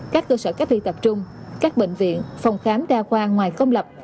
các cơ sở cách ly tập trung các bệnh viện phòng khám đa khoa ngoài công lập